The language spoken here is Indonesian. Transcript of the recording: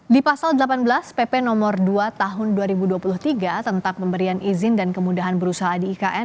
di pasal delapan belas pp nomor dua tahun dua ribu dua puluh tiga tentang pemberian izin dan kemudahan berusaha di ikn